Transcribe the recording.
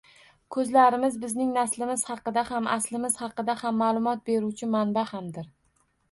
Ko`zlarimiz bizning naslimiz haqida ham, aslimiz haqida ham ma`lumot beruvchi manba hamdir